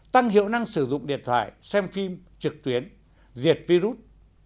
tăng hiệu năng sử dụng điện thoại xem phim trực tuyến diệt virus